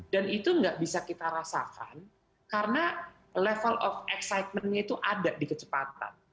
dan itu nggak bisa kita rasakan karena level of excitement itu ada di kecepatan